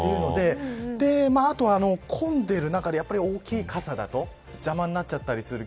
あとは、混んでいる中で大きな傘だと邪魔になっちゃったりする。